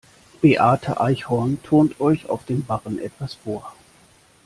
Beate Eichhorn turnt euch auf dem Barren etwas vor.